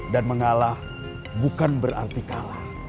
dan mengalah bukan berarti kalah